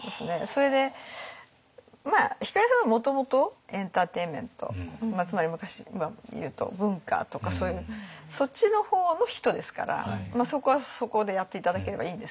それでまあ光さんはもともとエンターテインメントつまり昔で言うと文化とかそういうそっちの方の人ですからそこはそこでやって頂ければいいんですけど。